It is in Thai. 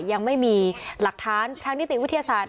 ยังไม่มีหลักฐานทางนิติวิทยาศาสตร์